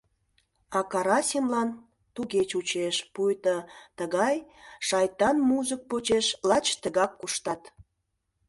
А Карасимлан туге чучеш, пуйто тыгай шайтан музык почеш лач тыгак куштат.